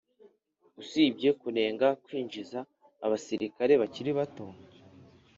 usibye kunenga kwinjiza abasirikare bakiri bato